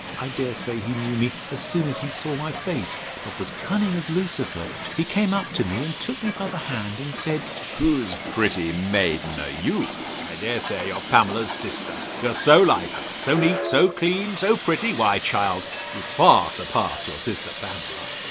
I dare say he knew me as soon as he saw my face: but was as cunning as Lucifer. He came up to me, and took me by the hand, and said, Whose pretty maiden are you?—I dare say you are Pamela's sister, you are so like her. So neat, so clean, so pretty! Why, child, you far surpass your sister Pamela!